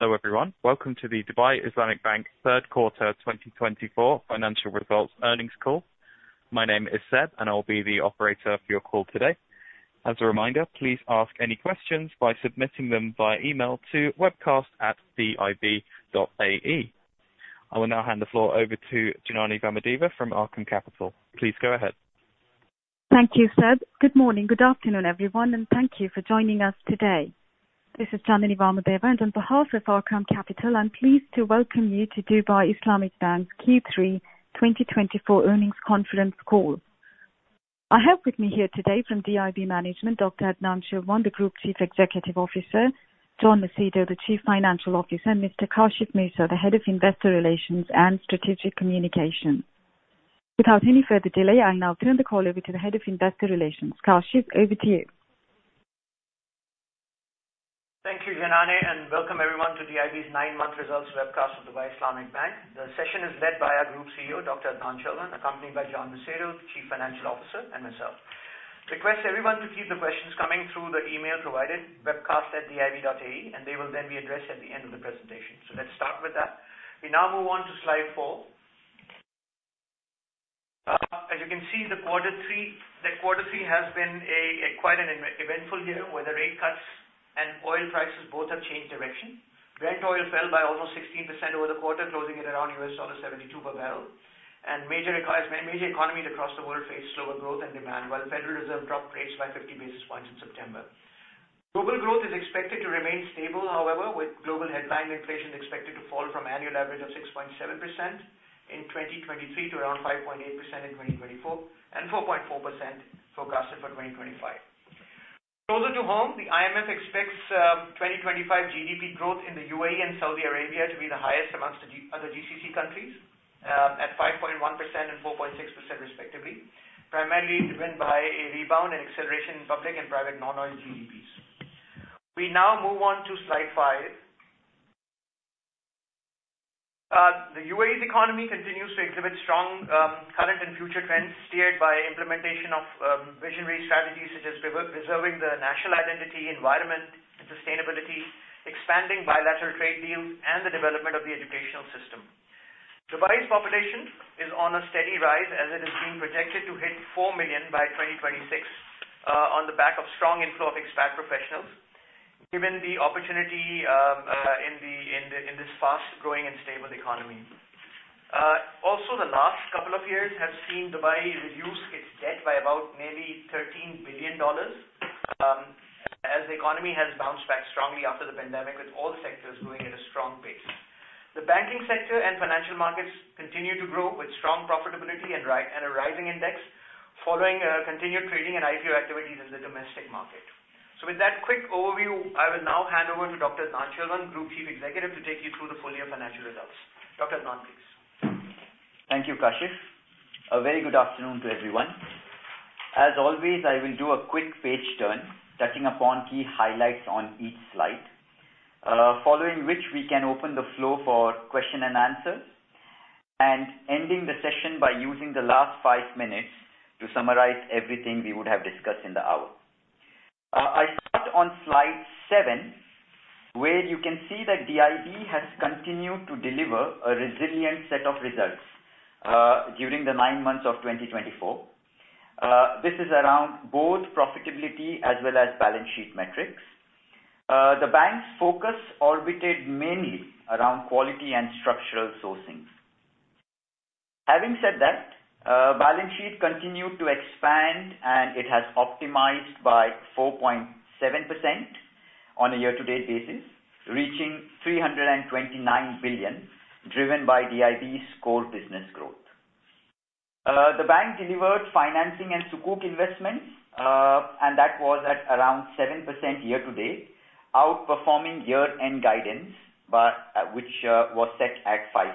Hello, everyone. Welcome to the Dubai Islamic Bank third quarter 2024 financial results earnings call. My name is Seb, and I'll be the operator for your call today. As a reminder, please ask any questions by submitting them via email to webcast@dib.ai. I will now hand the floor over to Janany Vamadeva from Arqaam Capital. Please go ahead. Thank you, Seb. Good morning, good afternoon, everyone, and thank you for joining us today. This is Janany Vamadeva, and on behalf of Arqaam Capital, I'm pleased to welcome you to Dubai Islamic Bank's Q3 2024 earnings conference call. I have with me here today from DIB Management, Dr. Adnan Chilwan, the Group Chief Executive Officer, John Macedo, the Chief Financial Officer, and Mr. Kashif Moosa, the Head of Investor Relations and Strategic Communication. Without any further delay, I now turn the call over to the Head of Investor Relations, Kashif. Over to you. Thank you, Janany, and welcome everyone to DIB's nine-month results webcast of Dubai Islamic Bank. The session is led by our Group CEO, Dr. Adnan Chilwan, accompanied by John Macedo, Chief Financial Officer, and myself. Request everyone to keep the questions coming through the email provided, webcast@dib.ai, and they will then be addressed at the end of the presentation. Let's start with that. We now move on to slide four. As you can see, the quarter three has been quite an eventful year, where the rate cuts and oil prices both have changed direction. Brent oil fell by almost 16% over the quarter, closing at around $72 per barrel. Major economies across the world faced slower growth and demand, while the Federal Reserve dropped rates by 50 basis points in September. Global growth is expected to remain stable, however, with global headline inflation expected to fall from annual average of 6.7% in 2023 to around 5.8% in 2024, and 4.4% forecasted for 2025. Closer to home, the IMF expects 2025 GDP growth in the UAE and Saudi Arabia to be the highest amongst the other GCC countries at 5.1% and 4.6%, respectively, primarily driven by a rebound and acceleration in public and private non-oil GDPs. We now move on to slide five. The UAE's economy continues to exhibit strong current and future trends, steered by implementation of visionary strategies such as preserving the national identity, environment, and sustainability, expanding bilateral trade deals, and the development of the educational system. Dubai's population is on a steady rise, as it is being projected to hit four million by 2026 on the back of strong inflow of expat professionals, given the opportunity in this fast-growing and stable economy. Also, the last couple of years have seen Dubai reduce its debt by about nearly $13 billion, as the economy has bounced back strongly after the pandemic, with all the sectors growing at a strong pace. The banking sector and financial markets continue to grow, with strong profitability and a rising index, following continued trading and IPO activities in the domestic market. With that quick overview, I will now hand over to Dr. Adnan Chilwan, Group Chief Executive, to take you through the full year financial results. Dr. Adnan, please. Thank you, Kashif. A very good afternoon to everyone. As always, I will do a quick page turn, touching upon key highlights on each slide, following which we can open the floor for questions and answers, and ending the session by using the last five minutes to summarize everything we would have discussed in the hour. I start on slide seven, where you can see that DIB has continued to deliver a resilient set of results during the nine months of 2024. This is around both profitability as well as balance sheet metrics. The bank's focus revolves mainly around quality and structural sourcing. Having said that, balance sheet continued to expand, and it has grown by 4.7% on a year-to-date basis, reaching 329 billion, driven by DIB's core business growth. The bank delivered financing and Sukuk investments, and that was at around 7% year-to-date, outperforming year-end guidance, which was set at 5%.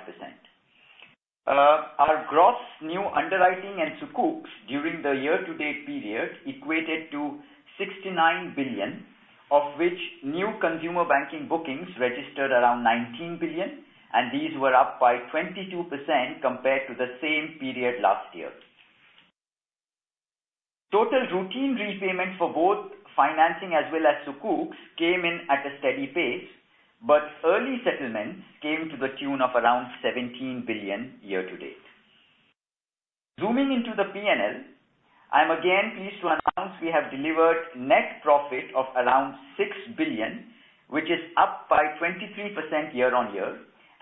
Our gross new underwriting and Sukuk during the year-to-date period equated to $69 billion, of which new consumer banking bookings registered around $19 billion, and these were up by 22% compared to the same period last year. Total routine repayments for both financing as well as Sukuk came in at a steady pace, but early settlements came to the tune of around $17 billion year-to-date. Zooming into the P&L, I'm again pleased to announce we have delivered net profit of around $6 billion, which is up by 23% year-on-year,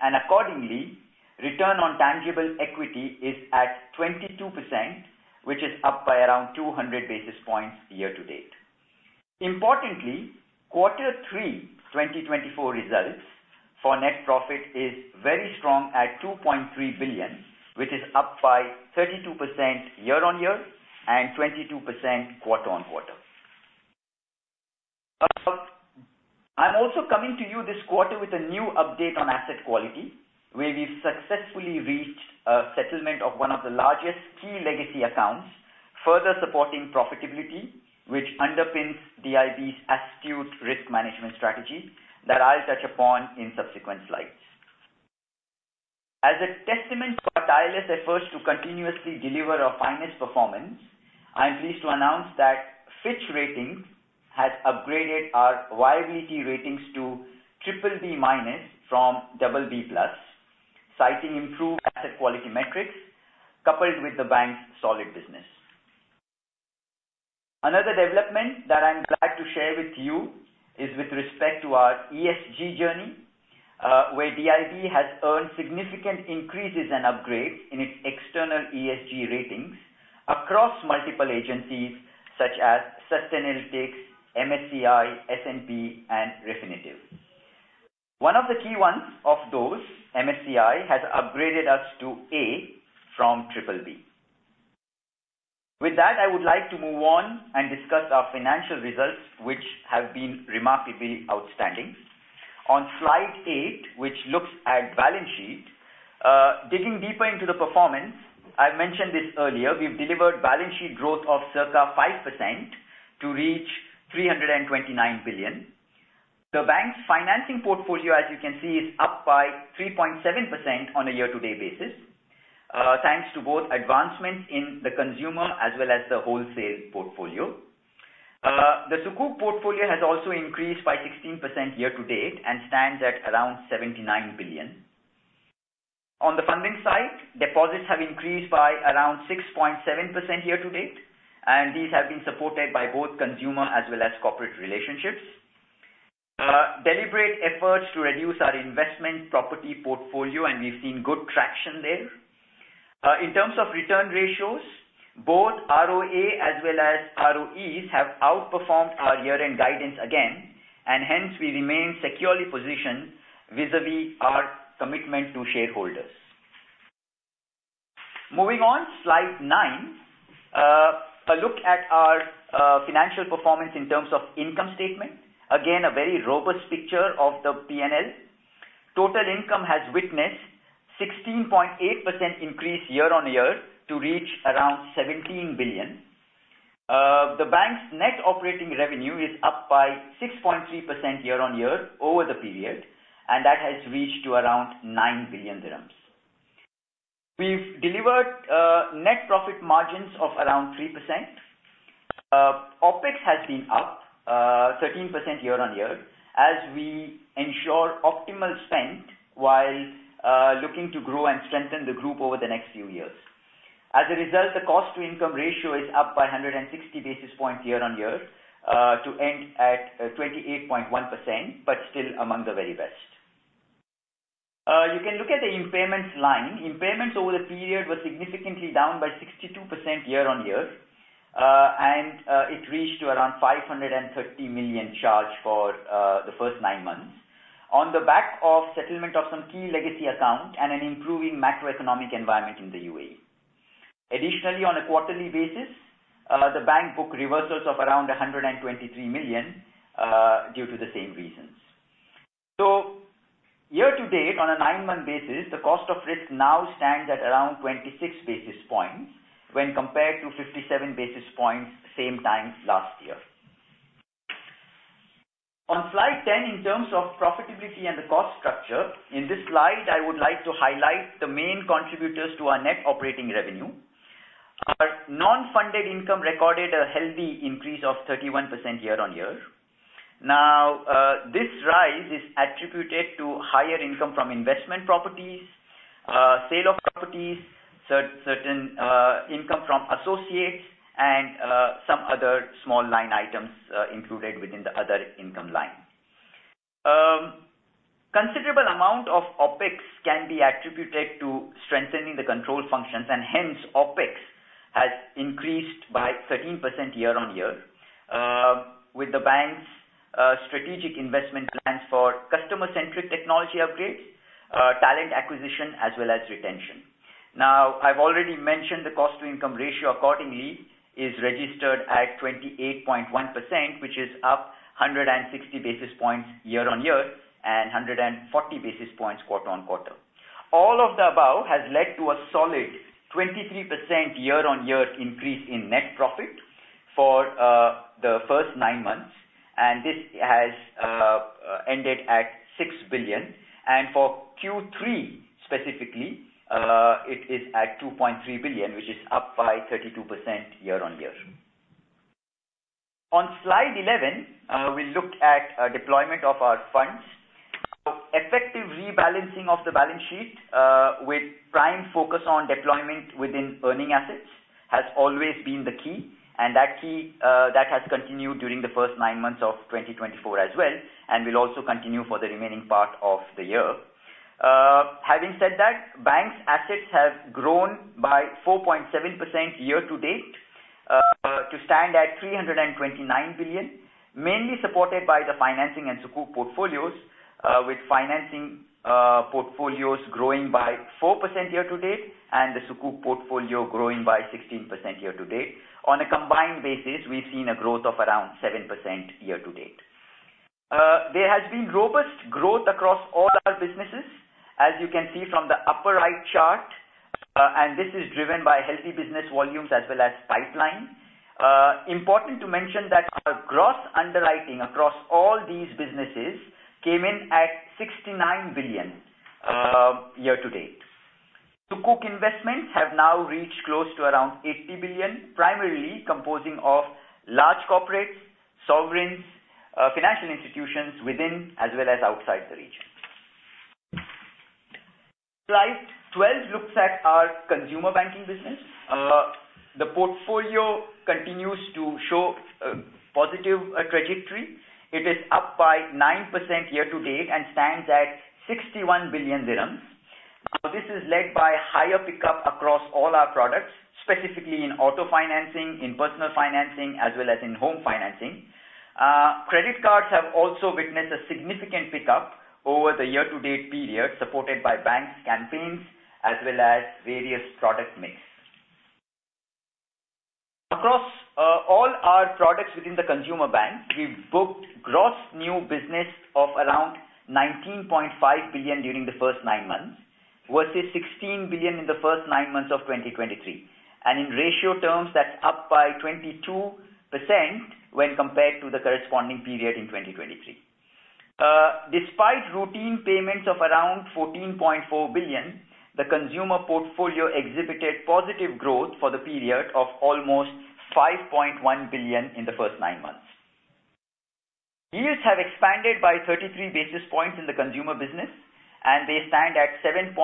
and accordingly, return on tangible equity is at 22%, which is up by around 200 basis points year-to-date. Importantly, quarter three 2024 results for net profit is very strong at 2.3 billion, which is up by 32% year-on-year and 22% quarter-on-quarter. I'm also coming to you this quarter with a new update on asset quality, where we've successfully reached a settlement of one of the largest key legacy accounts, further supporting profitability, which underpins DIB's astute risk management strategy that I'll touch upon in subsequent slides. As a testament to our tireless efforts to continuously deliver our finest performance, I'm pleased to announce that Fitch Ratings has upgraded our viability ratings to BBB minus from BBB plus, citing improved asset quality metrics coupled with the bank's solid business. Another development that I'm glad to share with you is with respect to our ESG journey, where DIB has earned significant increases and upgrades in its external ESG ratings across multiple agencies such as Sustainalytics, MSCI, S&P, and Refinitiv. One of the key ones of those, MSCI, has upgraded us to A from BBB. With that, I would like to move on and discuss our financial results, which have been remarkably outstanding. On slide eight, which looks at balance sheet, digging deeper into the performance, I've mentioned this earlier, we've delivered balance sheet growth of circa 5% to reach $329 billion. The bank's financing portfolio, as you can see, is up by 3.7% on a year-to-date basis, thanks to both advancements in the consumer as well as the wholesale portfolio. The Sukuk portfolio has also increased by 16% year-to-date and stands at around $79 billion. On the funding side, deposits have increased by around 6.7% year-to-date, and these have been supported by both consumer as well as corporate relationships. Deliberate efforts to reduce our investment property portfolio, and we've seen good traction there. In terms of return ratios, both ROA as well as ROEs have outperformed our year-end guidance again, and hence we remain securely positioned vis-à-vis our commitment to shareholders. Moving on, slide nine, a look at our financial performance in terms of income statement. Again, a very robust picture of the P&L. Total income has witnessed a 16.8% increase year-on-year to reach around 17 billion. The bank's net operating revenue is up by 6.3% year-on-year over the period, and that has reached around 9 billion dirhams. We've delivered net profit margins of around 3%. OpEx has been up 13% year-on-year as we ensure optimal spend while looking to grow and strengthen the group over the next few years. As a result, the cost-to-income ratio is up by 160 basis points year-on-year to end at 28.1%, but still among the very best. You can look at the impairments line. Impairments over the period were significantly down by 62% year-on-year, and it reached around $530 million charge for the first nine months on the back of settlement of some key legacy accounts and an improving macroeconomic environment in the UAE. Additionally, on a quarterly basis, the bank booked reversals of around $123 million due to the same reasons. So year-to-date, on a nine-month basis, the cost of risk now stands at around 26 basis points when compared to 57 basis points same time last year. On slide 10, in terms of profitability and the cost structure, in this slide, I would like to highlight the main contributors to our net operating revenue. Our non-funded income recorded a healthy increase of 31% year-on-year. Now, this rise is attributed to higher income from investment properties, sale of properties, certain income from associates, and some other small line items included within the other income line. Considerable amount of OpEx can be attributed to strengthening the control functions, and hence OpEx has increased by 13% year-on-year with the bank's strategic investment plans for customer-centric technology upgrades, talent acquisition, as well as retention. Now, I've already mentioned the cost-to-income ratio accordingly is registered at 28.1%, which is up 160 basis points year-on-year and 140 basis points quarter-on-quarter. All of the above has led to a solid 23% year-on-year increase in net profit for the first nine months, and this has ended at 6 billion, and for Q3 specifically, it is at 2.3 billion, which is up by 32% year-on-year. On slide 11, we looked at deployment of our funds. Effective rebalancing of the balance sheet with prime focus on deployment within earning assets has always been the key, and that key has continued during the first nine months of 2024 as well, and will also continue for the remaining part of the year. Having said that, bank's assets have grown by 4.7% year-to-date to stand at 329 billion, mainly supported by the financing and Sukuk portfolios, with financing portfolios growing by 4% year-to-date and the Sukuk portfolio growing by 16% year-to-date. On a combined basis, we've seen a growth of around 7% year-to-date. There has been robust growth across all our businesses, as you can see from the upper right chart, and this is driven by healthy business volumes as well as pipeline. Important to mention that our gross underwriting across all these businesses came in at 69 billion year-to-date. Sukuk investments have now reached close to around $80 billion, primarily composing of large corporates, sovereigns, financial institutions within as well as outside the region. Slide 12 looks at our consumer banking business. The portfolio continues to show a positive trajectory. It is up by 9% year-to-date and stands at $61 billion. Now, this is led by higher pickup across all our products, specifically in auto financing, in personal financing, as well as in home financing. Credit cards have also witnessed a significant pickup over the year-to-date period, supported by bank's campaigns as well as various product mix. Across all our products within the consumer bank, we've booked gross new business of around $19.5 billion during the first nine months versus $16 billion in the first nine months of 2023. And in ratio terms, that's up by 22% when compared to the corresponding period in 2023. Despite routine payments of around $14.4 billion, the consumer portfolio exhibited positive growth for the period of almost $5.1 billion in the first nine months. Yields have expanded by 33 basis points in the consumer business, and they stand at 7.03%,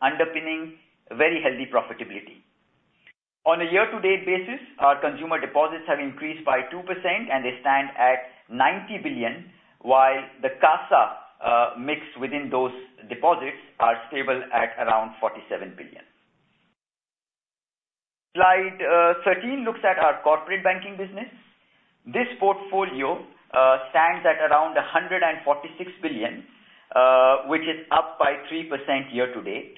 underpinning very healthy profitability. On a year-to-date basis, our consumer deposits have increased by 2%, and they stand at $90 billion, while the CASA mix within those deposits are stable at around $47 billion. Slide 13 looks at our corporate banking business. This portfolio stands at around $146 billion, which is up by 3% year-to-date.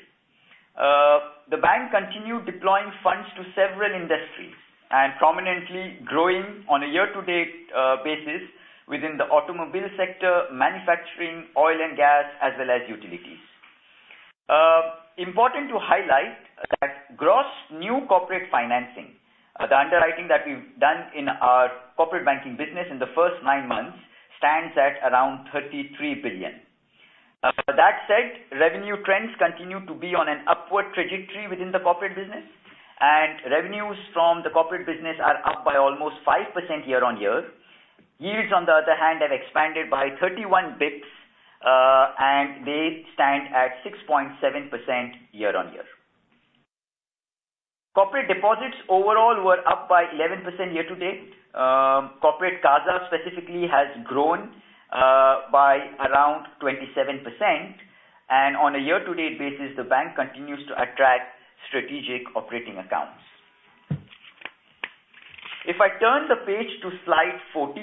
The bank continued deploying funds to several industries and prominently growing on a year-to-date basis within the automobile sector, manufacturing, oil and gas, as well as utilities. Important to highlight that gross new corporate financing, the underwriting that we've done in our corporate banking business in the first nine months, stands at around $33 billion. That said, revenue trends continue to be on an upward trajectory within the corporate business, and revenues from the corporate business are up by almost 5% year-on-year. Yields, on the other hand, have expanded by 31 basis points, and they stand at 6.7% year-on-year. Corporate deposits overall were up by 11% year-to-date. Corporate CASA specifically has grown by around 27%, and on a year-to-date basis, the bank continues to attract strategic operating accounts. If I turn the page to slide 14,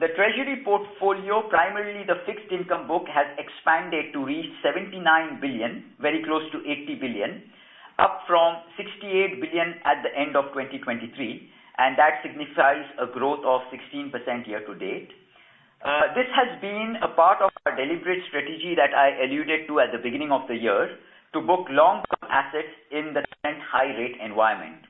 the treasury portfolio, primarily the fixed income book, has expanded to reach $79 billion, very close to $80 billion, up from $68 billion at the end of 2023, and that signifies a growth of 16% year-to-date. This has been a part of our deliberate strategy that I alluded to at the beginning of the year to book long-term assets in the current high-rate environment.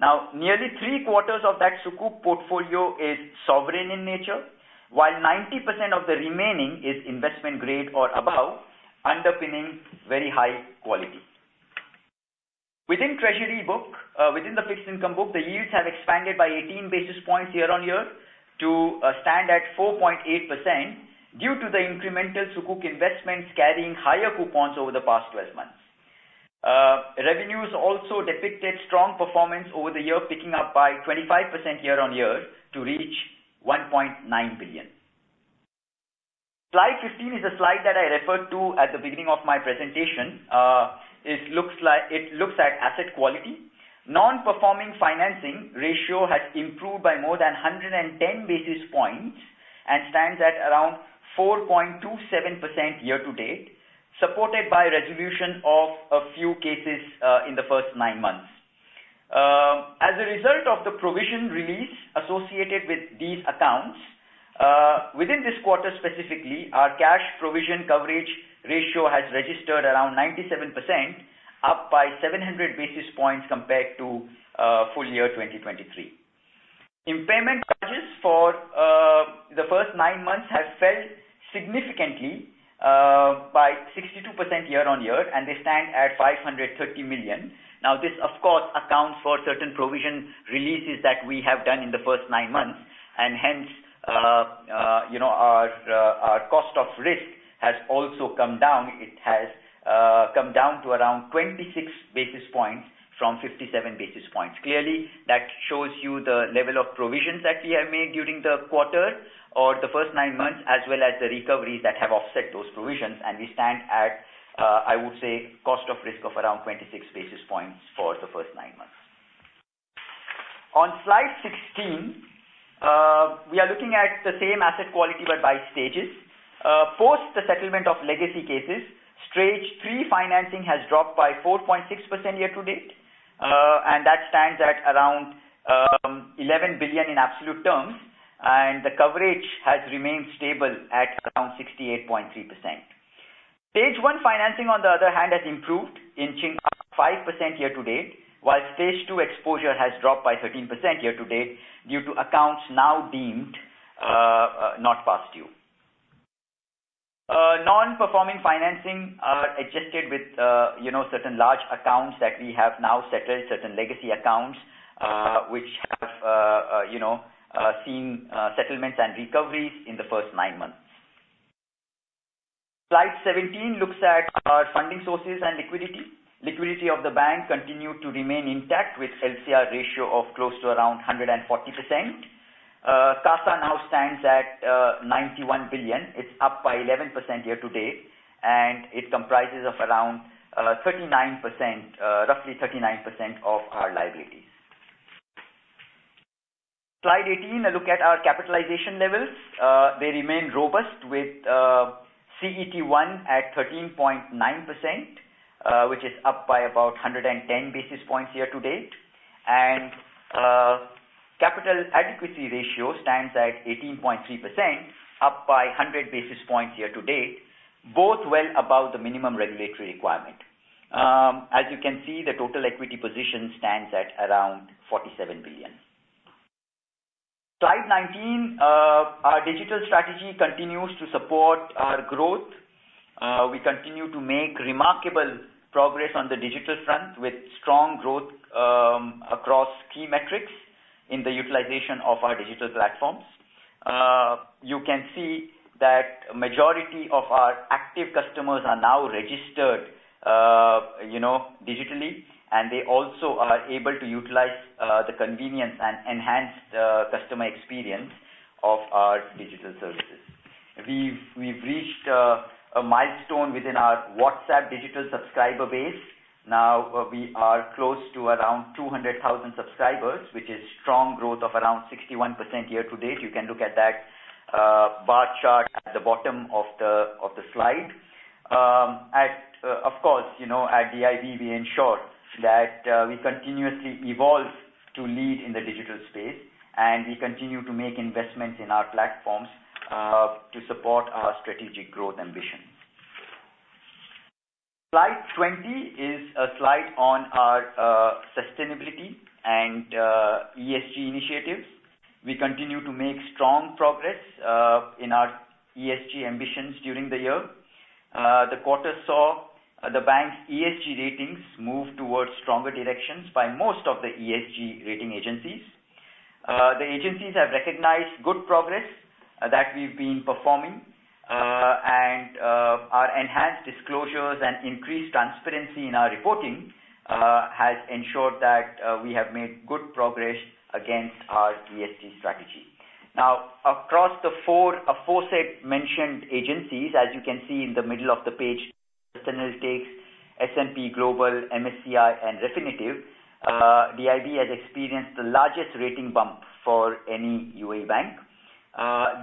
Now, nearly three quarters of that Sukuk portfolio is sovereign in nature, while 90% of the remaining is investment-grade or above, underpinning very high quality. Within the fixed income book, the yields have expanded by 18 basis points year-on-year to stand at 4.8% due to the incremental Sukuk investments carrying higher coupons over the past 12 months. Revenues also depicted strong performance over the year, picking up by 25% year-on-year to reach $1.9 billion. Slide 15 is a slide that I referred to at the beginning of my presentation. It looks at asset quality. Non-performing financing ratio has improved by more than 110 basis points and stands at around 4.27% year-to-date, supported by resolution of a few cases in the first nine months. As a result of the provision release associated with these accounts, within this quarter specifically, our cash provision coverage ratio has registered around 97%, up by 700 basis points compared to full year 2023. Impairment charges for the first nine months have fallen significantly by 62% year-on-year, and they stand at $530 million. Now, this, of course, accounts for certain provision releases that we have done in the first nine months, and hence our cost of risk has also come down. It has come down to around 26 basis points from 57 basis points. Clearly, that shows you the level of provisions that we have made during the quarter or the first nine months, as well as the recoveries that have offset those provisions, and we stand at, I would say, cost of risk of around 26 basis points for the first nine months. On slide 16, we are looking at the same asset quality but by stages. Post the settlement of legacy cases, stage three financing has dropped by 4.6% year-to-date, and that stands at around $11 billion in absolute terms, and the coverage has remained stable at around 68.3%. Stage one financing, on the other hand, has improved inching up 5% year-to-date, while stage two exposure has dropped by 13% year-to-date due to accounts now deemed not past due. Non-performing financing adjusted with certain large accounts that we have now settled, certain legacy accounts which have seen settlements and recoveries in the first nine months. Slide 17 looks at our funding sources and liquidity. Liquidity of the bank continued to remain intact with LCR ratio of close to around 140%. CASA now stands at $91 billion. It's up by 11% year-to-date, and it comprises of around roughly 39% of our liabilities. Slide 18, a look at our capitalization levels. They remain robust with CET1 at 13.9%, which is up by about 110 basis points year-to-date, and capital adequacy ratio stands at 18.3%, up by 100 basis points year-to-date, both well above the minimum regulatory requirement. As you can see, the total equity position stands at around $47 billion. Slide 19, our digital strategy continues to support our growth. We continue to make remarkable progress on the digital front with strong growth across key metrics in the utilization of our digital platforms. You can see that a majority of our active customers are now registered digitally, and they also are able to utilize the convenience and enhanced customer experience of our digital services. We've reached a milestone within our WhatsApp digital subscriber base. Now, we are close to around 200,000 subscribers, which is strong growth of around 61% year-to-date. You can look at that bar chart at the bottom of the slide. Of course, at DIB, we ensure that we continuously evolve to lead in the digital space, and we continue to make investments in our platforms to support our strategic growth ambitions. Slide 20 is a slide on our sustainability and ESG initiatives. We continue to make strong progress in our ESG ambitions during the year. The quarter saw the bank's ESG ratings move towards stronger directions by most of the ESG rating agencies. The agencies have recognized good progress that we've been performing, and our enhanced disclosures and increased transparency in our reporting has ensured that we have made good progress against our ESG strategy. Now, across the four aforesaid mentioned agencies, as you can see in the middle of the page, S&P Global, MSCI, and Refinitiv, DIB has experienced the largest rating bump for any UAE bank.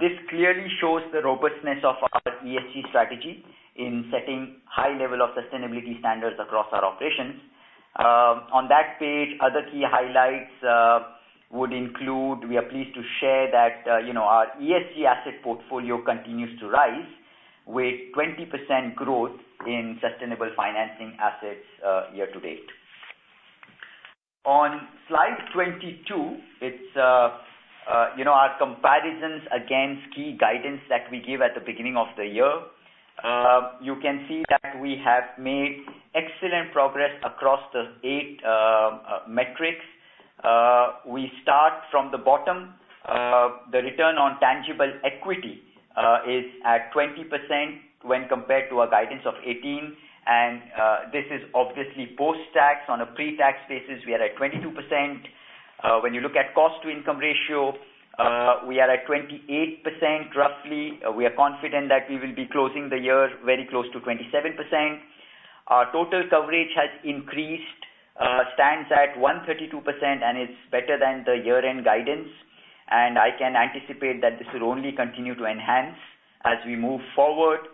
This clearly shows the robustness of our ESG strategy in setting high-level of sustainability standards across our operations. On that page, other key highlights would include we are pleased to share that our ESG asset portfolio continues to rise with 20% growth in sustainable financing assets year-to-date. On slide 22, it's our comparisons against key guidance that we give at the beginning of the year. You can see that we have made excellent progress across the eight metrics. We start from the bottom. The return on tangible equity is at 20% when compared to our guidance of 18, and this is obviously post-tax. On a pre-tax basis, we are at 22%. When you look at cost-to-income ratio, we are at 28% roughly. We are confident that we will be closing the year very close to 27%. Our total coverage has increased, stands at 132%, and it's better than the year-end guidance, and I can anticipate that this will only continue to enhance as we move forward.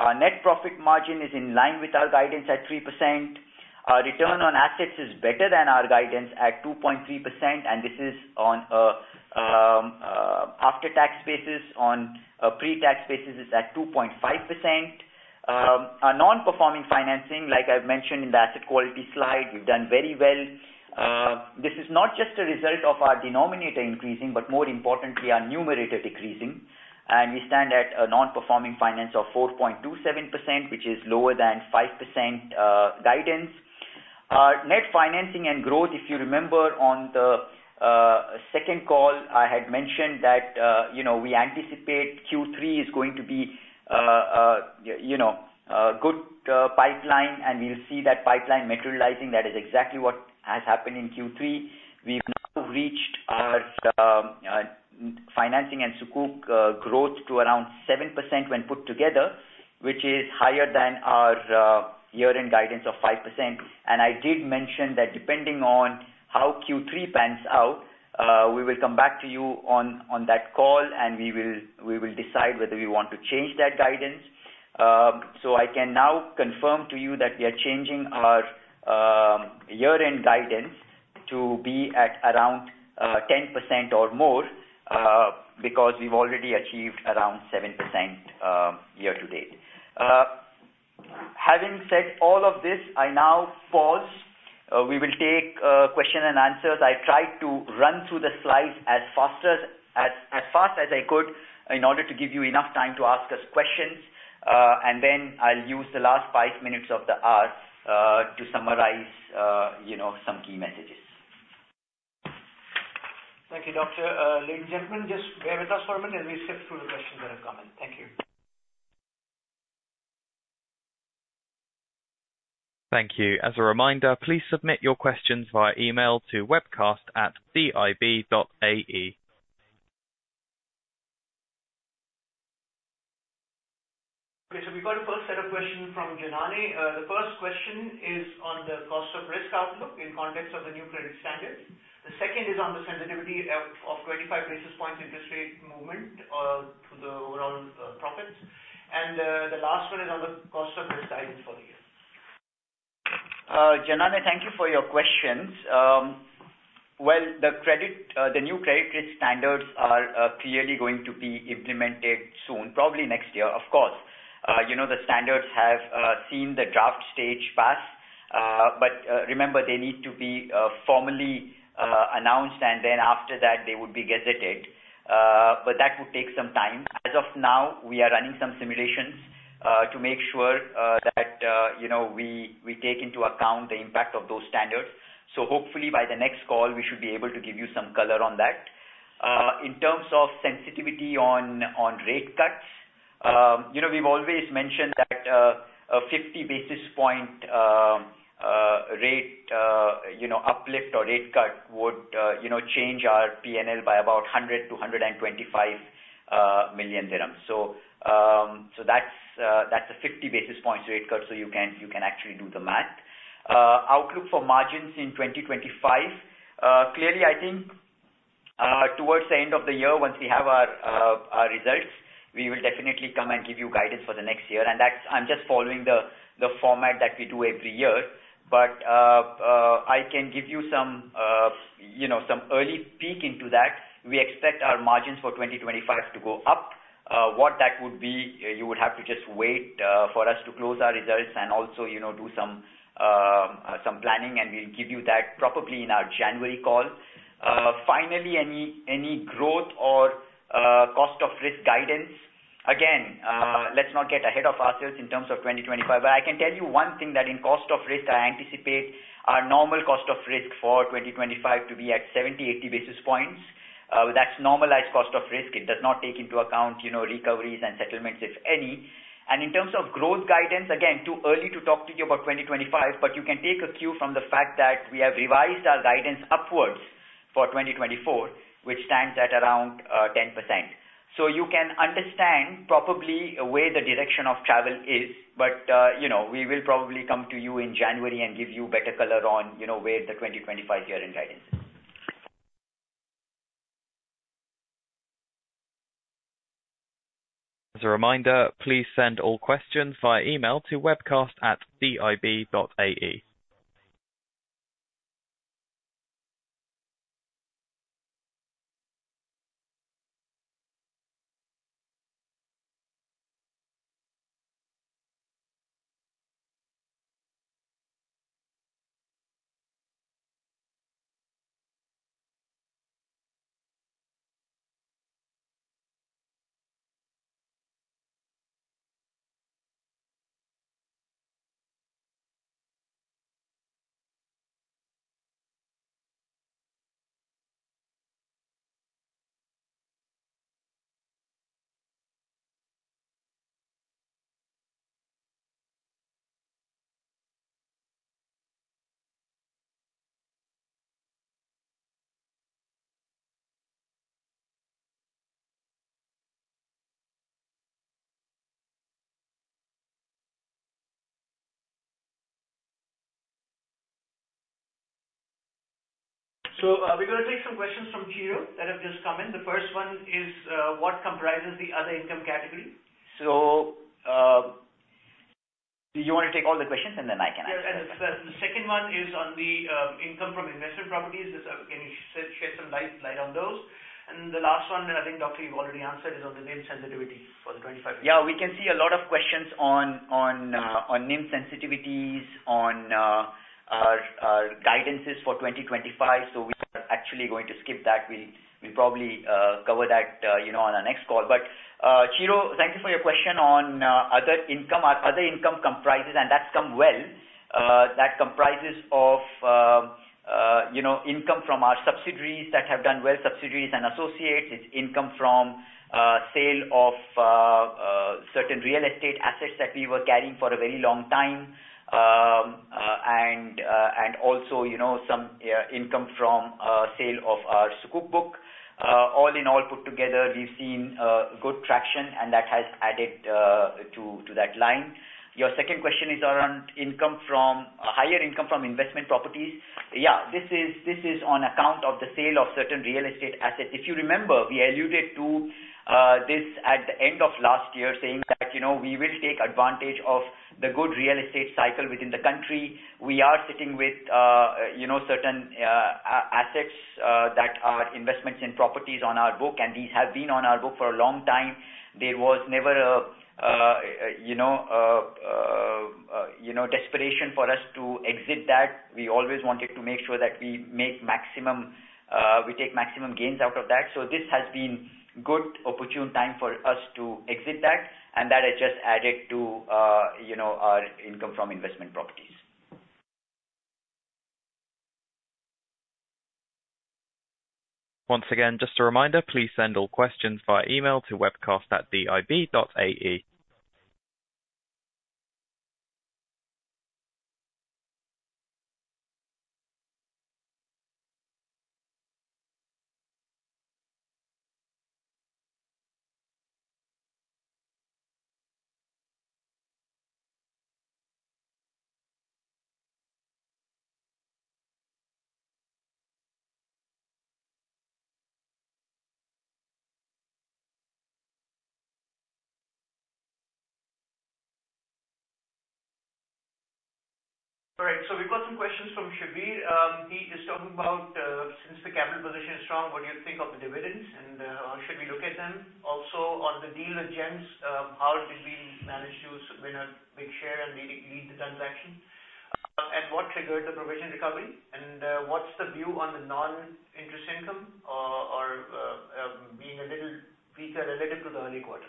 Our net profit margin is in line with our guidance at 3%. Our return on assets is better than our guidance at 2.3%, and this is on an after-tax basis. On a pre-tax basis, it's at 2.5%. Our non-performing financing, like I've mentioned in the asset quality slide, we've done very well. This is not just a result of our denominator increasing, but more importantly, our numerator decreasing, and we stand at a non-performing financing of 4.27%, which is lower than 5% guidance. Our net financing and growth, if you remember, on the second call, I had mentioned that we anticipate Q3 is going to be a good pipeline, and we'll see that pipeline materializing. That is exactly what has happened in Q3. We've now reached our financing and Sukuk growth to around 7% when put together, which is higher than our year-end guidance of 5%, and I did mention that depending on how Q3 pans out, we will come back to you on that call, and we will decide whether we want to change that guidance. So I can now confirm to you that we are changing our year-end guidance to be at around 10% or more because we've already achieved around 7% year-to-date. Having said all of this, I now pause. We will take questions and answers. I tried to run through the slides as fast as I could in order to give you enough time to ask us questions, and then I'll use the last five minutes of the hour to summarize some key messages. Thank you, Doctor. Ladies and gentlemen, just bear with us for a minute, and we'll skip through the questions that have come in. Thank you. Thank you. As a reminder, please submit your questions via email to webcast@dib.ai. Okay, so we've got a first set of questions from Janani. The first question is on the cost of risk outlook in context of the new credit standards. The second is on the sensitivity of 25 basis points interest rate movement to the overall profits. And the last one is on the cost of risk guidance for the year. Janany, thank you for your questions. Well, the new credit risk standards are clearly going to be implemented soon, probably next year, of course. The standards have seen the draft stage pass, but remember, they need to be formally announced, and then after that, they would be gazetted, but that would take some time. As of now, we are running some simulations to make sure that we take into account the impact of those standards. So hopefully, by the next call, we should be able to give you some color on that. In terms of sensitivity on rate cuts, we've always mentioned that a 50 basis point rate uplift or rate cut would change our P&L by about 100 million-125 million dirhams. So that's a 50 basis points rate cut, so you can actually do the math. Outlook for margins in 2025, clearly, I think towards the end of the year, once we have our results, we will definitely come and give you guidance for the next year. I'm just following the format that we do every year, but I can give you some early peek into that. We expect our margins for 2025 to go up. What that would be, you would have to just wait for us to close our results and also do some planning, and we'll give you that probably in our January call. Finally, any growth or cost of risk guidance? Again, let's not get ahead of ourselves in terms of 2025, but I can tell you one thing that in cost of risk, I anticipate our normal cost of risk for 2025 to be at 70-80 basis points. That's normalized cost of risk. It does not take into account recoveries and settlements, if any. And in terms of growth guidance, again, too early to talk to you about 2025, but you can take a cue from the fact that we have revised our guidance upwards for 2024, which stands at around 10%. So you can understand probably where the direction of travel is, but we will probably come to you in January and give you better color on where the 2025 year-end guidance is. As a reminder, please send all questions via email to webcast@dib.ai. So we're going to take some questions from Chiro that have just come in. The first one is, what comprises the other income category? So do you want to take all the questions, and then I can answer? Yes. And the second one is on the income from investment properties. Can you shed some light on those? And the last one, I think, Doctor, you've already answered, is on the NIM sensitivity for the 25. Yeah, we can see a lot of questions on NIM sensitivities, on our guidances for 2025, so we are actually going to skip that. We'll probably cover that on our next call. But Chiro, thank you for your question on other income. Our other income comprises, and that's come well, that comprises of income from our subsidiaries that have done well, subsidiaries and associates. It's income from sale of certain real estate assets that we were carrying for a very long time, and also some income from sale of our Sukuk book. All in all, put together, we've seen good traction, and that has added to that line. Your second question is around income from higher income from investment properties. Yeah, this is on account of the sale of certain real estate assets. If you remember, we alluded to this at the end of last year, saying that we will take advantage of the good real estate cycle within the country. We are sitting with certain assets that are investments in properties on our book, and these have been on our book for a long time. There was never a desperation for us to exit that. We always wanted to make sure that we make maximum, we take maximum gains out of that. So this has been a good opportune time for us to exit that, and that has just added to our income from investment properties. Once again, just a reminder, please send all questions via email to webcast@dib.ai. All right. So we've got some questions from Shabir. He is talking about, since the capital position is strong, what do you think of the dividends, and should we look at them? Also, on the deal with GEMS, how did we manage to win a big share and lead the transaction? And what triggered the provision recovery? And what's the view on the non-interest income or being a little weaker relative to the early quarter?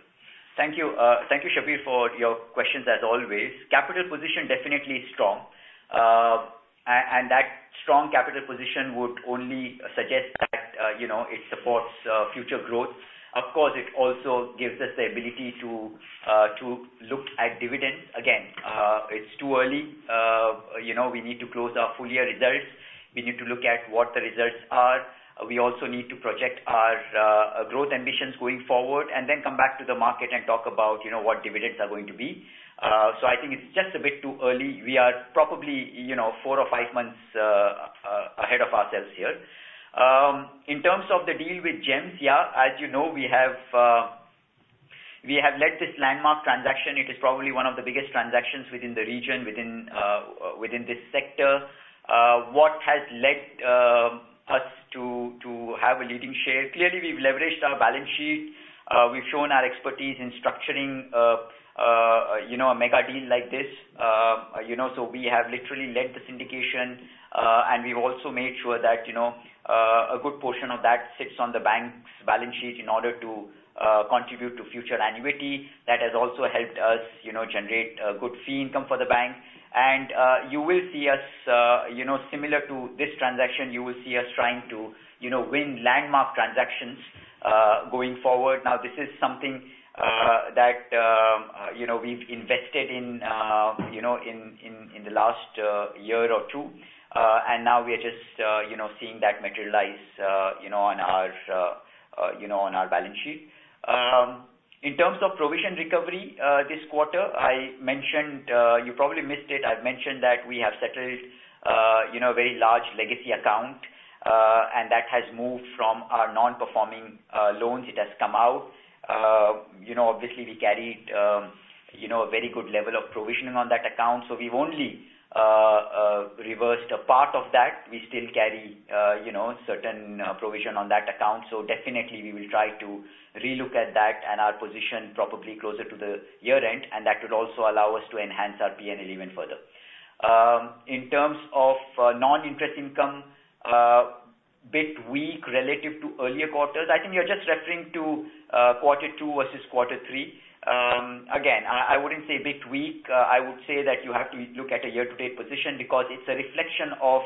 Thank you. Thank you, Shabir, for your questions, as always. Capital position definitely strong, and that strong capital position would only suggest that it supports future growth. Of course, it also gives us the ability to look at dividends. Again, it's too early. We need to close our full-year results. We need to look at what the results are. We also need to project our growth ambitions going forward and then come back to the market and talk about what dividends are going to be. So I think it's just a bit too early. We are probably four or five months ahead of ourselves here. In terms of the deal with GEMS, yeah, as you know, we have led this landmark transaction. It is probably one of the biggest transactions within the region, within this sector. What has led us to have a leading share? Clearly, we've leveraged our balance sheet. We've shown our expertise in structuring a mega deal like this. We have literally led the syndication, and we've also made sure that a good portion of that sits on the bank's balance sheet in order to contribute to future annuity. That has also helped us generate a good fee income for the bank. You will see us, similar to this transaction, you will see us trying to win landmark transactions going forward. Now, this is something that we've invested in in the last year or two, and now we are just seeing that materialize on our balance sheet. In terms of provision recovery this quarter, I mentioned. You probably missed it. I've mentioned that we have settled a very large legacy account, and that has moved from our non-performing financing. It has come out. Obviously, we carried a very good level of provisioning on that account, so we've only reversed a part of that. We still carry certain provision on that account, so definitely, we will try to relook at that and our position probably closer to the year-end, and that would also allow us to enhance our P&L even further. In terms of non-interest income, a bit weak relative to earlier quarters. I think you're just referring to quarter two versus quarter three. Again, I wouldn't say a bit weak. I would say that you have to look at a year-to-date position because it's a reflection of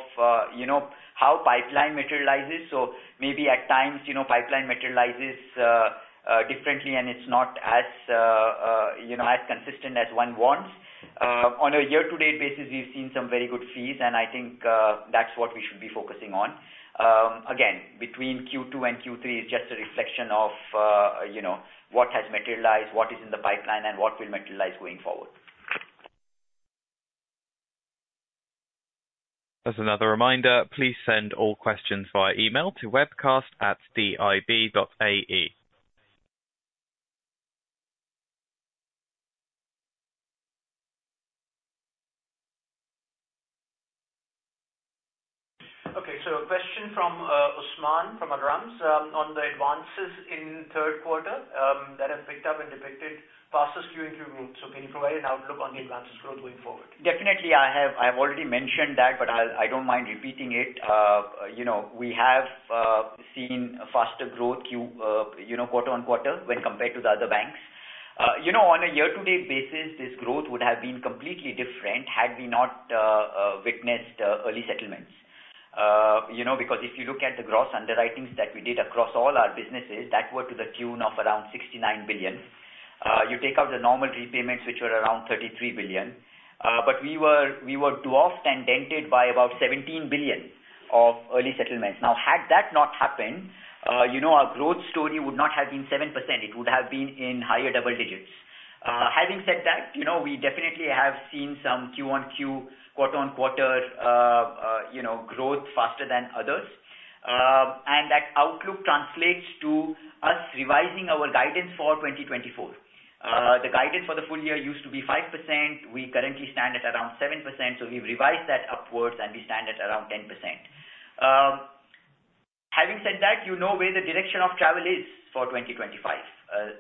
how pipeline materializes. So maybe at times, pipeline materializes differently, and it's not as consistent as one wants. On a year-to-date basis, we've seen some very good fees, and I think that's what we should be focusing on. Again, between Q2 and Q3 is just a reflection of what has materialized, what is in the pipeline, and what will materialize going forward. As another reminder, please send all questions via email to webcast@dib.ai. Okay, so a question from Usman from Arqaam on the advances in third quarter that have picked up and depicted faster skewing through growth. So can you provide an outlook on the advances growth going forward? Definitely, I have already mentioned that, but I don't mind repeating it. We have seen faster growth quarter on quarter when compared to the other banks. On a year-to-date basis, this growth would have been completely different had we not witnessed early settlements. Because if you look at the gross underwritings that we did across all our businesses, that were to the tune of around 69 billion. You take out the normal repayments, which were around 33 billion. But we were dwarfed and dented by about 17 billion of early settlements. Now, had that not happened, our growth story would not have been 7%. It would have been in higher double digits. Having said that, we definitely have seen some Q1, Q2, quarter-on-quarter growth faster than others, and that outlook translates to us revising our guidance for 2024. The guidance for the full year used to be 5%. We currently stand at around 7%, so we've revised that upwards, and we stand at around 10%. Having said that, you know where the direction of travel is for 2025.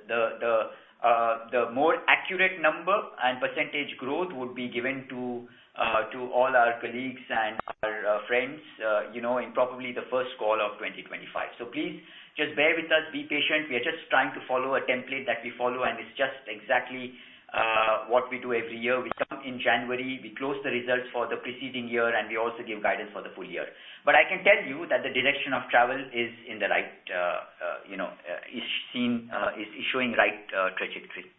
The more accurate number and percentage growth would be given to all our colleagues and our friends in probably the first call of 2025, so please just bear with us. Be patient. We are just trying to follow a template that we follow, and it's just exactly what we do every year. We come in January, we close the results for the preceding year, and we also give guidance for the full year. But I can tell you that the direction of travel is in the right, is showing right trajectory.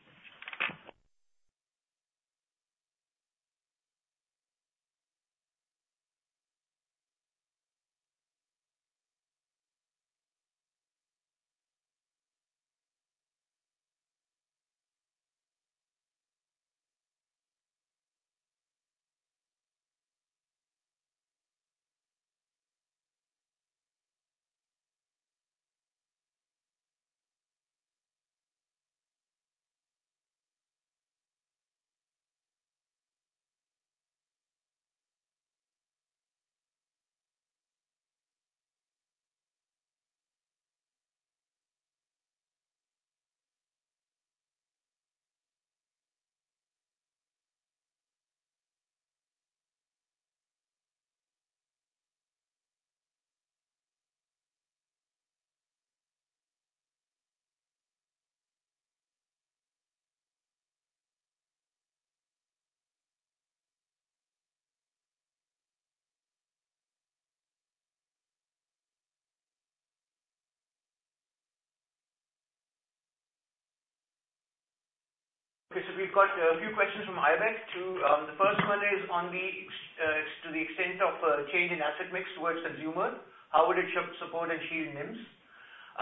Okay, so we've got a few questions from Aybek. The first one is to the extent of change in asset mix towards consumer. How would it support and shield NIMs?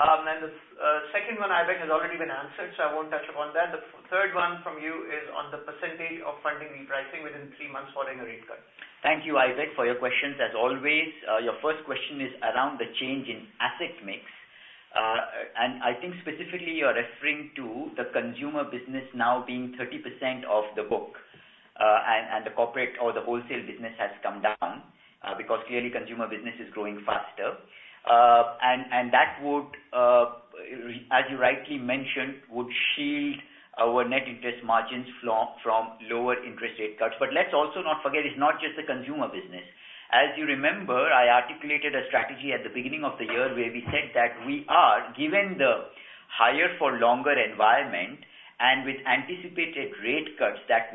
And the second one, Aybek has already been answered, so I won't touch upon that. The third one from you is on the percentage of funding repricing within three months following a rate cut. Thank you, Aybek, for your questions. As always, your first question is around the change in asset mix. And I think specifically you're referring to the consumer business now being 30% of the book, and the corporate or the wholesale business has come down because clearly consumer business is growing faster. And that would, as you rightly mentioned, shield our net interest margins from lower interest rate cuts. But let's also not forget, it's not just the consumer business. As you remember, I articulated a strategy at the beginning of the year where we said that we are, given the higher-for-longer environment and with anticipated rate cuts that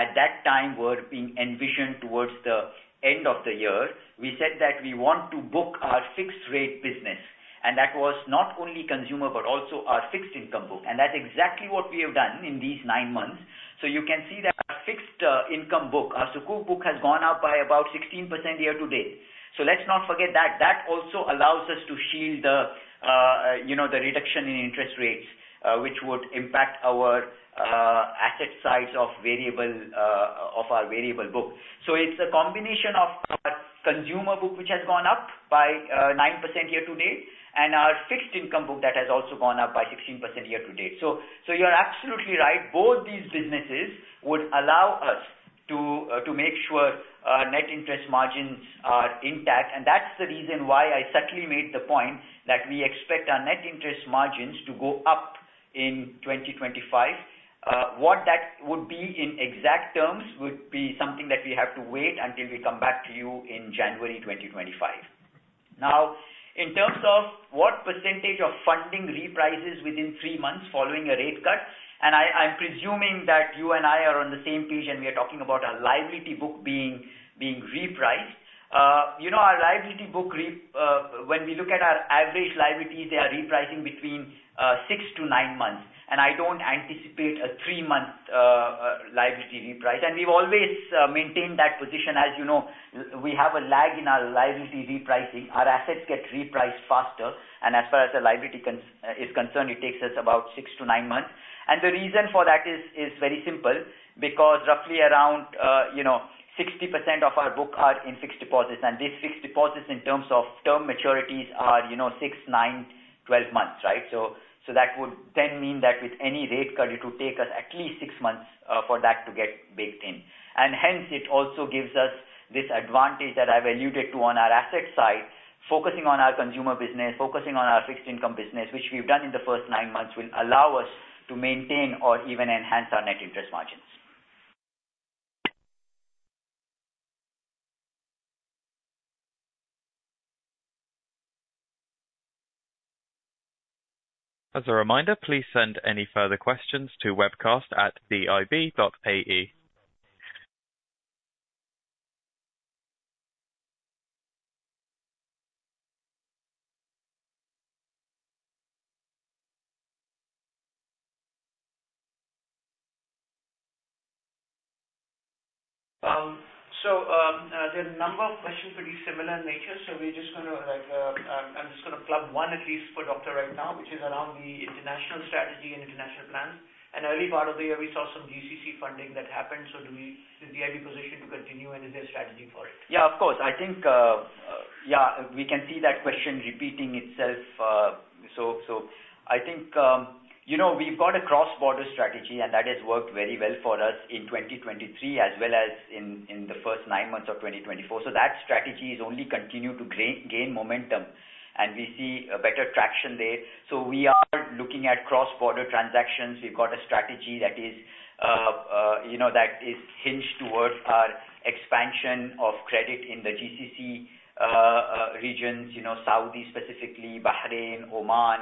at that time were being envisioned towards the end of the year, we said that we want to book our fixed-rate business. And that was not only consumer but also our fixed-income book. And that's exactly what we have done in these nine months. You can see that our fixed-income book, our Sukuk book, has gone up by about 16% year-to-date. Let's not forget that. That also allows us to shield the reduction in interest rates, which would impact our asset size of our variable book. It's a combination of our consumer book, which has gone up by 9% year-to-date, and our fixed-income book that has also gone up by 16% year-to-date. You're absolutely right. Both these businesses would allow us to make sure our net interest margins are intact. That's the reason why I subtly made the point that we expect our net interest margins to go up in 2025. What that would be in exact terms would be something that we have to wait until we come back to you in January 2025. Now, in terms of what percentage of funding reprices within three months following a rate cut, and I'm presuming that you and I are on the same page and we are talking about our liability book being repriced. Our liability book, when we look at our average liabilities, they are repricing between six to nine months. And I don't anticipate a three-month liability reprice. And we've always maintained that position. As you know, we have a lag in our liability repricing. Our assets get repriced faster. And as far as the liability is concerned, it takes us about six to nine months. And the reason for that is very simple because roughly around 60% of our book are in fixed deposits. And these fixed deposits, in terms of term maturities, are six, nine, 12 months, right? That would then mean that with any rate cut, it would take us at least six months for that to get baked in, and hence, it also gives us this advantage that I've alluded to on our asset side, focusing on our consumer business, focusing on our fixed-income business, which we've done in the first nine months, will allow us to maintain or even enhance our net interest margins. As a reminder, please send any further questions to webcast@dib.ai, so there are a number of questions pretty similar in nature, so we're just going to - I'm just going to plug one at least for Dr. right now, which is around the international strategy and international plans. In the early part of the year, we saw some GCC funding that happened, so do we have the position to continue, and is there a strategy for it? Yeah, of course. I think, yeah, we can see that question repeating itself. So I think we've got a cross-border strategy, and that has worked very well for us in 2023 as well as in the first nine months of 2024. That strategy is only continuing to gain momentum, and we see better traction there. We are looking at cross-border transactions. We've got a strategy that is hinged towards our expansion of credit in the GCC regions, Saudi specifically, Bahrain, Oman,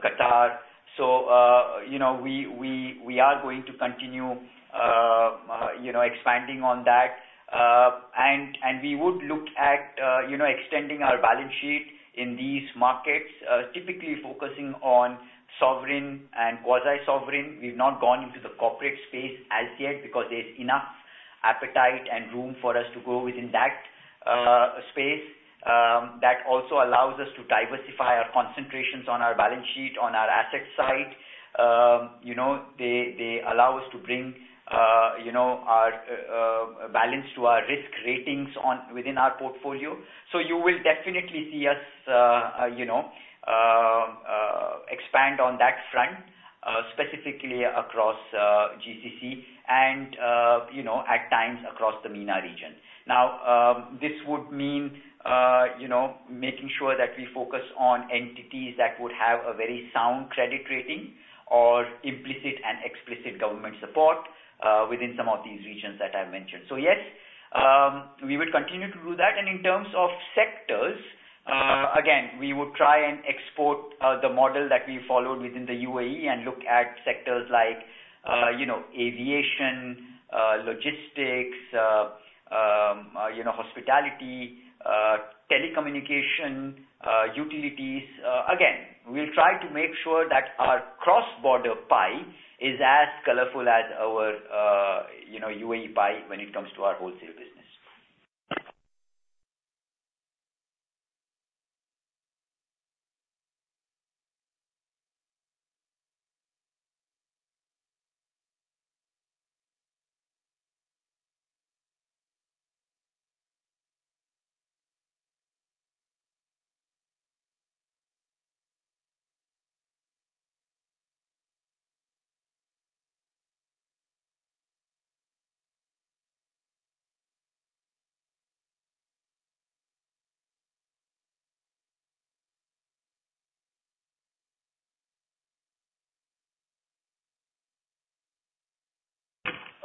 Qatar. We are going to continue expanding on that. We would look at extending our balance sheet in these markets, typically focusing on sovereign and quasi-sovereign. We've not gone into the corporate space as yet because there's enough appetite and room for us to grow within that space. That also allows us to diversify our concentrations on our balance sheet, on our asset side. They allow us to bring our balance to our risk ratings within our portfolio. So you will definitely see us expand on that front, specifically across GCC and at times across the MENA region. Now, this would mean making sure that we focus on entities that would have a very sound credit rating or implicit and explicit government support within some of these regions that I've mentioned. So yes, we would continue to do that. And in terms of sectors, again, we would try and export the model that we followed within the UAE and look at sectors like aviation, logistics, hospitality, telecommunication, utilities. Again, we'll try to make sure that our cross-border pie is as colorful as our UAE pie when it comes to our wholesale business.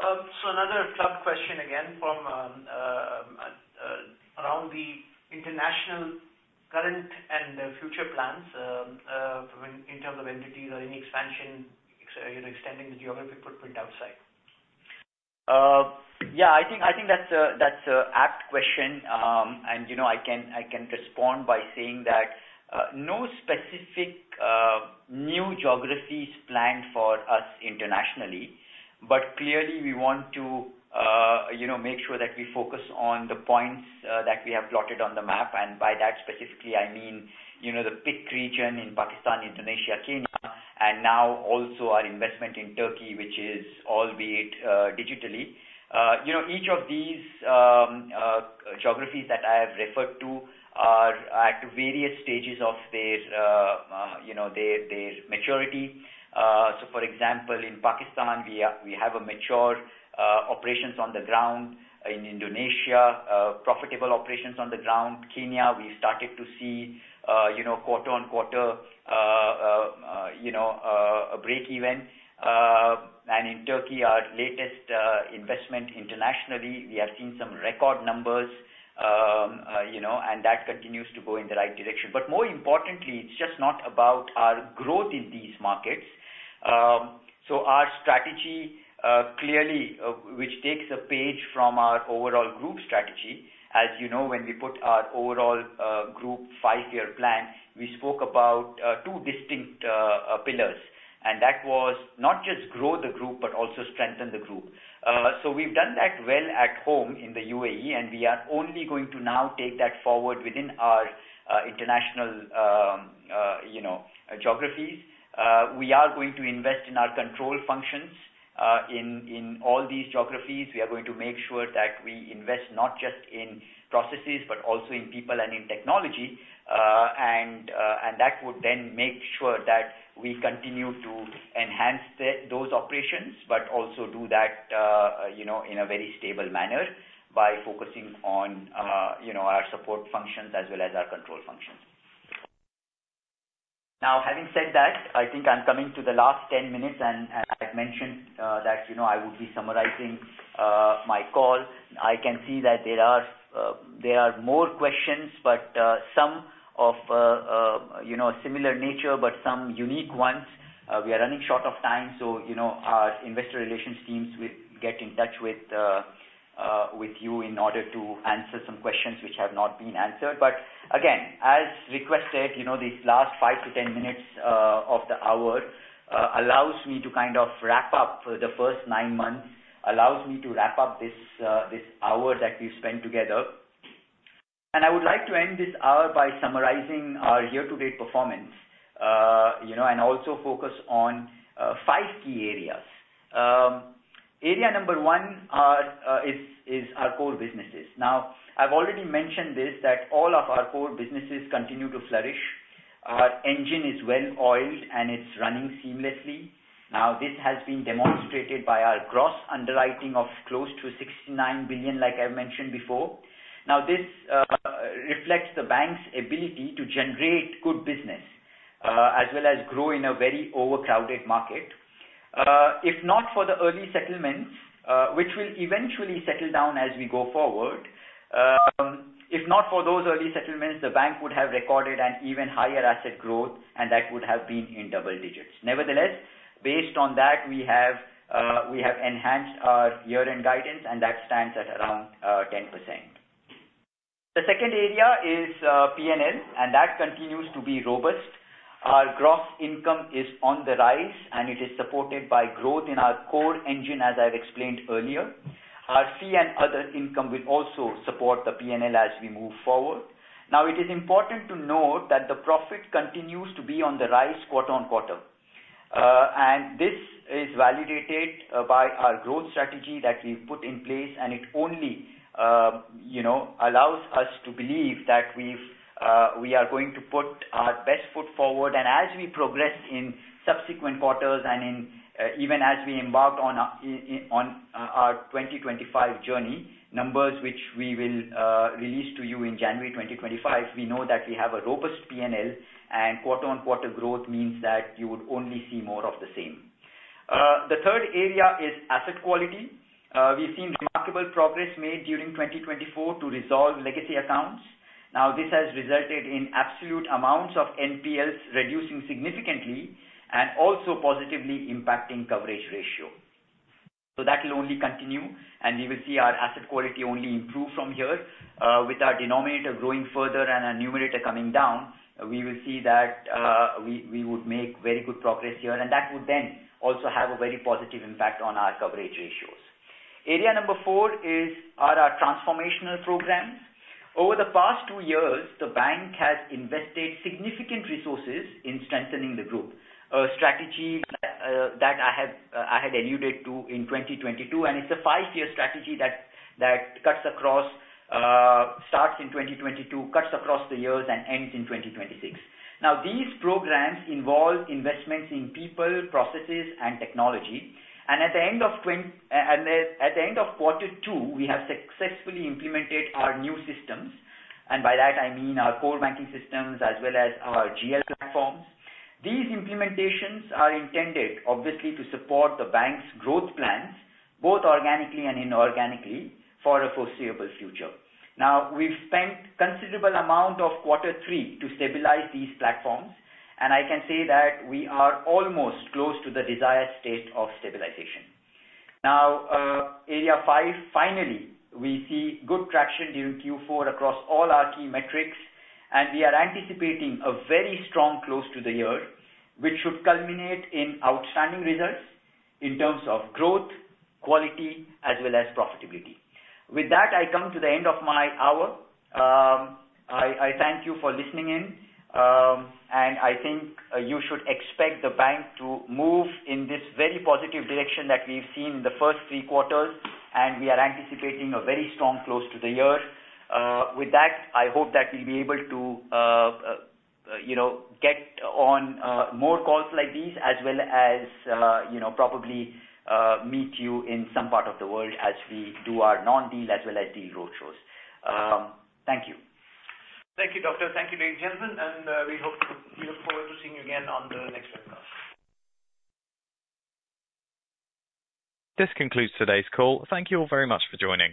So another plug question again from around the international current and future plans in terms of entities or any expansion, extending the geographic footprint outside. Yeah, I think that's an apt question. And I can respond by saying that no specific new geographies planned for us internationally. But clearly, we want to make sure that we focus on the points that we have plotted on the map. And by that, specifically, I mean the PIK region in Pakistan, Indonesia, Kenya, and now also our investment in Turkey, which is albeit digitally. Each of these geographies that I have referred to are at various stages of their maturity. So for example, in Pakistan, we have mature operations on the ground. In Indonesia, profitable operations on the ground. Kenya, we've started to see quarter on quarter a break-even. And in Turkey, our latest investment internationally, we have seen some record numbers. And that continues to go in the right direction. But more importantly, it's just not about our growth in these markets. So our strategy, clearly, which takes a page from our overall group strategy. As you know, when we put our overall group five-year plan, we spoke about two distinct pillars. And that was not just grow the group but also strengthen the group. So we've done that well at home in the UAE, and we are only going to now take that forward within our international geographies. We are going to invest in our control functions in all these geographies. We are going to make sure that we invest not just in processes but also in people and in technology. And that would then make sure that we continue to enhance those operations but also do that in a very stable manner by focusing on our support functions as well as our control functions. Now, having said that, I think I'm coming to the last 10 minutes, and I've mentioned that I would be summarizing my call. I can see that there are more questions, but some of a similar nature, but some unique ones. We are running short of time, so our investor relations teams will get in touch with you in order to answer some questions which have not been answered. But again, as requested, these last 5 to 10 minutes of the hour allows me to kind of wrap up the first nine months, allows me to wrap up this hour that we've spent together. I would like to end this hour by summarizing our year-to-date performance and also focus on five key areas. Area number one is our core businesses. Now, I've already mentioned this that all of our core businesses continue to flourish. Our engine is well-oiled, and it's running seamlessly. Now, this has been demonstrated by our gross underwriting of close to 69 billion, like I've mentioned before. Now, this reflects the bank's ability to generate good business as well as grow in a very overcrowded market. If not for the early settlements, which will eventually settle down as we go forward, if not for those early settlements, the bank would have recorded an even higher asset growth, and that would have been in double digits. Nevertheless, based on that, we have enhanced our year-end guidance, and that stands at around 10%. The second area is P&L, and that continues to be robust. Our gross income is on the rise, and it is supported by growth in our core engine, as I've explained earlier. Our fee and other income will also support the P&L as we move forward. Now, it is important to note that the profit continues to be on the rise quarter on quarter, and this is validated by our growth strategy that we've put in place, and it only allows us to believe that we are going to put our best foot forward, and as we progress in subsequent quarters and even as we embark on our 2025 journey, numbers which we will release to you in January 2025, we know that we have a robust P&L, and quarter on quarter growth means that you would only see more of the same. The third area is asset quality. We've seen remarkable progress made during 2024 to resolve legacy accounts. Now, this has resulted in absolute amounts of NPLs reducing significantly and also positively impacting coverage ratio. So that will only continue, and we will see our asset quality only improve from here. With our denominator growing further and our numerator coming down, we will see that we would make very good progress here, and that would then also have a very positive impact on our coverage ratios. Area number four are our transformational programs. Over the past two years, the bank has invested significant resources in strengthening the group, a strategy that I had alluded to in 2022, and it's a five-year strategy that starts in 2022, cuts across the years, and ends in 2026. Now, these programs involve investments in people, processes, and technology. At the end of quarter two, we have successfully implemented our new systems. And by that, I mean our core banking systems as well as our GL platforms. These implementations are intended, obviously, to support the bank's growth plans, both organically and inorganically, for a foreseeable future. Now, we've spent a considerable amount of quarter three to stabilize these platforms, and I can say that we are almost close to the desired state of stabilization. Now, area five, finally, we see good traction during Q4 across all our key metrics, and we are anticipating a very strong close to the year, which should culminate in outstanding results in terms of growth, quality, as well as profitability. With that, I come to the end of my hour. I thank you for listening in, and I think you should expect the bank to move in this very positive direction that we've seen in the first three quarters, and we are anticipating a very strong close to the year. With that, I hope that we'll be able to get on more calls like these as well as probably meet you in some part of the world as we do our non-deal as well as deal roadshows. Thank you. Thank you, Doctor. Thank you, gentlemen. And we hope to look forward to seeing you again on the next webinar. This concludes today's call. Thank you all very much for joining.